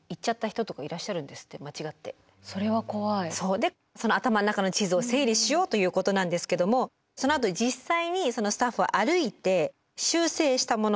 でその頭の中の地図を整理しようということなんですけどもそのあと実際にスタッフは歩いて修正したもの